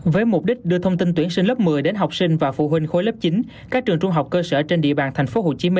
với mục đích đưa thông tin tuyển sinh lớp một mươi đến học sinh và phụ huynh khối lớp chín các trường trung học cơ sở trên địa bàn tp hcm